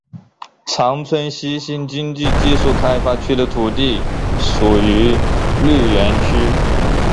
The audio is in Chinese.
长春西新经济技术开发区的土地属于绿园区。